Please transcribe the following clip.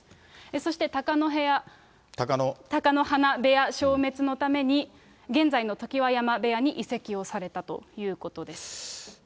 そして、貴乃花部屋消滅のために、現在の常盤山部屋に移籍をされたということです。